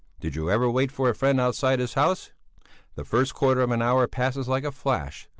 Did you ever wait for a friend outside his house? The first quarter of an hour passes like a flash!